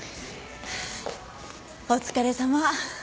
お疲れさま。